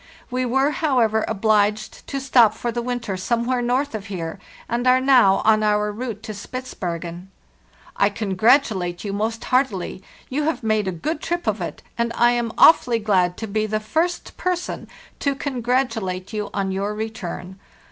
We were, however, obliged to stop for the winter some where north here, and are now on our route to Spitz bergen. "*T congratulate you most heartily. You have made a good trip of it, and I am awfully glad to be the first person to congratulate you on your return.